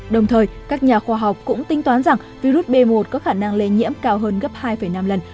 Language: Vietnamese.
đồng thời các nhà khoa học cũng tinh toán rằng virus b một có khả năng lây nhiễm cao hơn gấp hai năm lần